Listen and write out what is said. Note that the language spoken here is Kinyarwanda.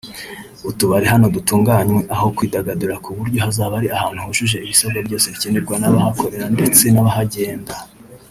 utubari hanatunganywe aho kwidagadurira ku buryo hazaba ari ahantu hujuje ibisabwa byose bikenerwa n’abahakorera ndetse n’abahagenda